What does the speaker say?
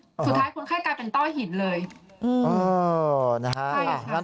สุดท้ายคนไข้กลายเป็นต้อหินเลย